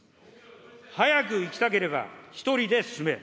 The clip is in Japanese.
早く行きたければ一人で進め。